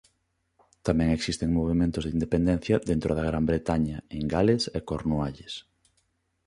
Tamén existen movementos de independencia dentro da Gran Bretaña en Gales e Cornualles.